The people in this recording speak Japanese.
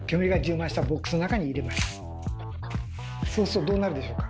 そうするとどうなるでしょうか？